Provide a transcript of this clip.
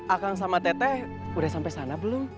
akang sama tete udah sampai sana belum